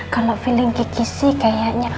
kalau feeling kikisi kayaknya